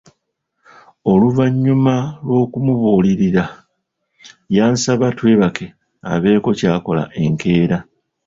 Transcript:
Oluvannyuma lw'okumubuulira yansaba twebake abeeko ky'akola enkeera.